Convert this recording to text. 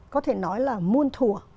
có thể nói là muôn thùa